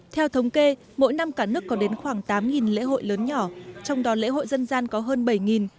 theo thống kê mỗi năm cả nước có đến khoảng tám lễ hội lớn nhỏ trong đó lễ hội dân gian có hơn bảy